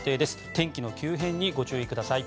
天気の急変にご注意ください。